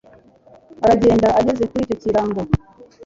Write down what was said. aragenda ageze kuri icyo kirago